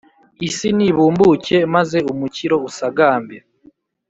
isi nibumbuke, maze umukiro usagambe,